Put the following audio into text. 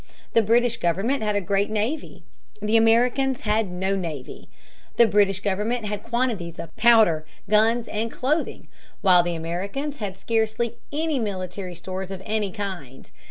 The British government had a great navy. The Americans had no navy. The British government had quantities of powder, guns, and clothing, while the Americans had scarcely any military stores of any kind.